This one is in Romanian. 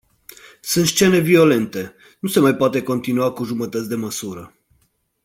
Sunt scene violente, nu se mai poate continua cu jumătăți de măsură.